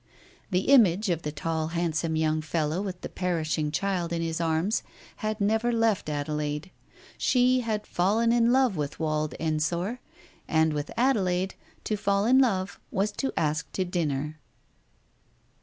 The image of the tall, handsome young fellow with the perishing child in his arms had never left Adelaide ; she had fallen in love with Wald Ensor, and with Adelaide, to fall in love was to ask to dinner.